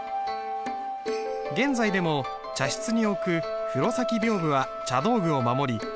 現在でも茶室に置く風炉先屏風は茶道具を守り